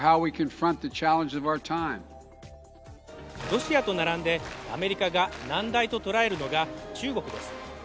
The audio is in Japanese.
ロシアと並んでアメリカが難題と捉えるのが中国です。